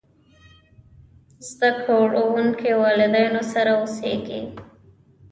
زده کړونکي والدينو سره اوسېږي.